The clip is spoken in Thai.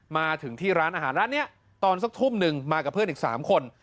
มาถึงที่ร้านอาหารร้านนี้ตอนสักทุ่มหนึ่งมากับเพื่อนอีก๓คน